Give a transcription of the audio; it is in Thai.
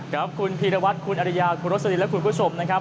ขอบคุณพีรวัสคุณอริยาคุณโทษฎีและคุณผู้ชมนะครับ